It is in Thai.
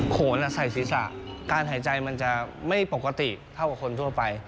โขนใส่ศีรษะการหายใจมันจะไม่ปกติเท่ากับคนทั่วไป